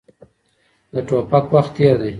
د ټوپک وخت تېر دی.